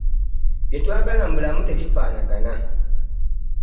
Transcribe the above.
Bye twagala mu bulamu tebifaanagana.